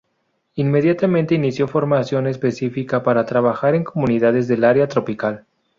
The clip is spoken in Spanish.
Inmediatamente inició formación específica para trabajar en comunidades del área tropical.